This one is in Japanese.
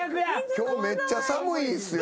今日めっちゃ寒いんすよ。